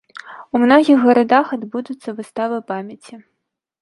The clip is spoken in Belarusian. У многіх гарадах адбудуцца выставы памяці.